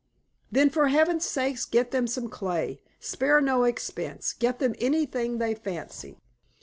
"Then for heaven's sake get them some clay. Spare no expense. Get them anything they fancy."